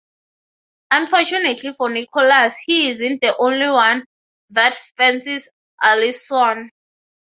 Unfortunately for Nicholas, he isn't the only one that fancies Alisoun.